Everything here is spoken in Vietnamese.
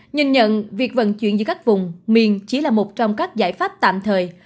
nhìn nhận việc vận chuyển giữa các vùng miền chỉ là một trong các giải pháp tạm thời